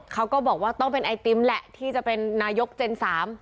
เขาก็บอกว่าต้องเป็นไอติมแหละที่จะเป็นนายกเจนสาม